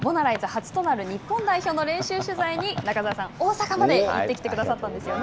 初となる日本代表の練習取材に中澤さん、大阪まで行ってきてくださったんですよね。